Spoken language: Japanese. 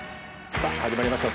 さぁ始まりました